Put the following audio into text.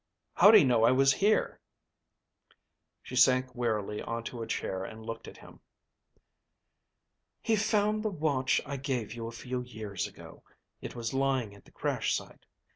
How'd he know I was here?" She sank wearily onto a chair and looked at him. "He found the watch I gave you a few years ago. It was lying at the crash site.